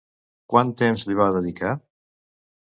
Quant temps li va dedicar?